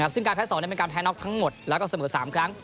ซึ่งการแพ้๒เป็นการแพ้น็อกทั้งหมดแล้วก็เสมอ๓ครั้ง